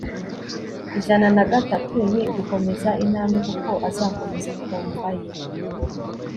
Ijana na Gatatu ni ugukomeza intambwe kuko azakomeza ku mva ye